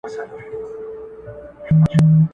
که د خاوند او ميرمني تر منځ ستونزه پيښه سوه.